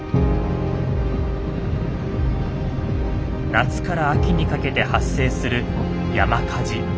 夏から秋にかけて発生する山火事。